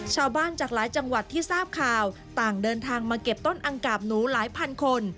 จากหลายจังหวัดที่ทราบข่าวต่างเดินทางมาเก็บต้นอังกาบหนูหลายพันคน